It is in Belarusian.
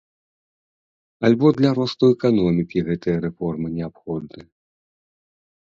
Альбо для росту эканомікі гэтыя рэформы неабходны.